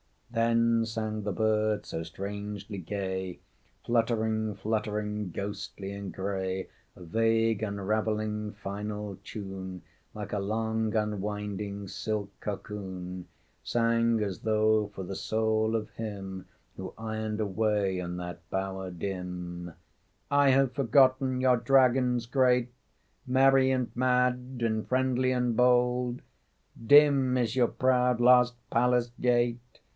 Then sang the bird, so strangely gay, Fluttering, fluttering, ghostly and gray, A vague, unravelling, final tune, Like a long unwinding silk cocoon; Sang as though for the soul of him Who ironed away in that bower dim: "I have forgotten Your dragons great, Merry and mad and friendly and bold. Dim is your proud lost palace gate.